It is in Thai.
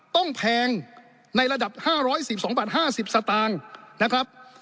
ต้องแพงในระดับ๕๑๒บาท๕๐สตางค์